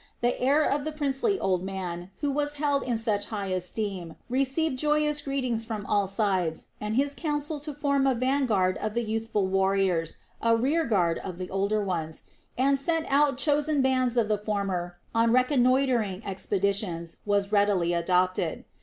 The heir of the princely old man who was held in such high esteem received joyous greetings from all sides, and his counsel to form a vanguard of the youthful warriors, a rear guard of the older ones, and send out chosen bands of the former on reconnoitering expeditions was readily adopted.